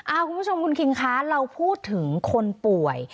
คุณผู้ชมคุณคิงคะเราพูดถึงคนป่วย